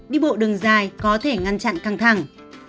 đi bộ đường dài có thể ngăn chặn căng thẳng